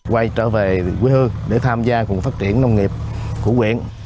quay trở về quê hương để tham gia cùng phát triển nông nghiệp của quyện